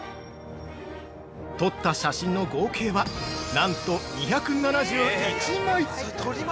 撮った写真の合計はなんと２７１枚。